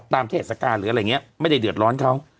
เทศกาลหรืออะไรอย่างนี้ไม่ได้เดือดร้อนเขา